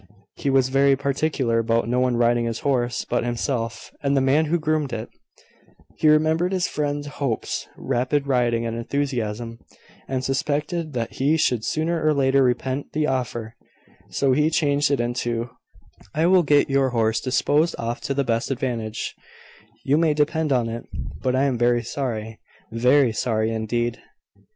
He was very particular about no one riding his horse but himself and the man who groomed it: he remembered his friend Hope's rapid riding and `enthusiasm' and suspected that he should sooner or later repent the offer: so he changed it into, "I will get your horse disposed of to the best advantage, you may depend upon it. But I am very sorry very sorry, indeed."